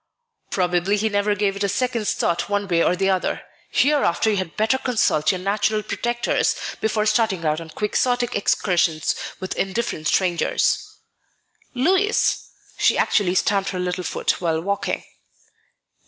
"Probably he never gave it a second's thought one way or the other. Hereafter you had better consult your natural protectors before starting out on Quixotic excursions with indifferent strangers." "Louis!" She actually stamped her little foot while walking.